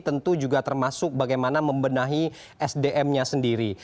tentu juga termasuk bagaimana membenahi sdm nya sendiri